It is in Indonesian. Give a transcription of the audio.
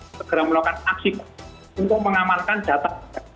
segera melakukan aksi untuk mengamankan data